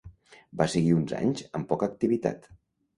Van seguir uns anys amb poca activitat.